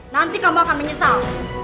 nanti kamu akan menyesal